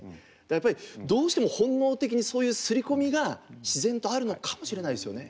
やっぱりどうしても本能的にそういうすり込みが自然とあるのかもしれないですよね。